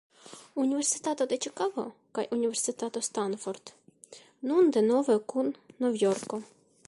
Universitato de Ĉikago kaj Universitato Stanford, nun denove kun Nov-Jorko.